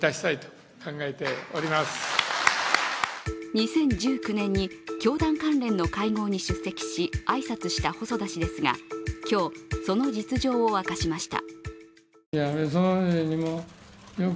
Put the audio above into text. ２０１９年に教団関連の会合に出席し挨拶した細田氏ですが、今日、その実情を明かしました。